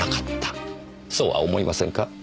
そうは思いませんか？